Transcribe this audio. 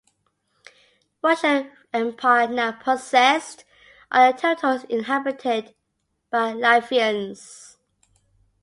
Russian empire now possessed all the territories inhabited by Latvians.